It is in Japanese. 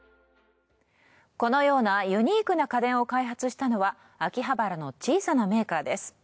このようなユニークな家電を開発したのは秋葉原の小さなメーカーです。